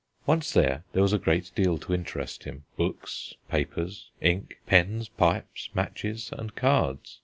Once there, there was a great deal to interest him books, papers, ink, pens, pipes, matches and cards.